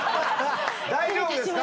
大丈夫ですか？